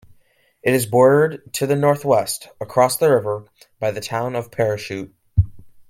It is bordered to the northwest, across the river, by the town of Parachute.